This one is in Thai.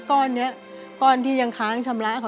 ก้อนนี้ก้อนที่ยังค้างชำระของยุทธ์